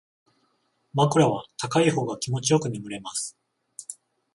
枕は高い方が気持ちよく眠れます